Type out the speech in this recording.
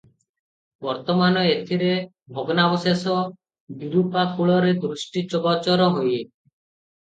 ବର୍ତ୍ତମାନ ଏଥିର ଭଗ୍ନାବଶେଷ ବିରୂପାକୂଳରେ ଦୃଷ୍ଟିଗୋଚର ହୁଏ ।